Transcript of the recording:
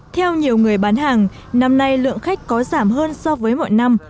theo nhiều người bán hàng năm nay lượng khách có giảm hơn so với mọi năm